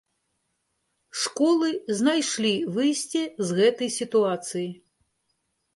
Школы знайшлі выйсце з гэтай сітуацыі.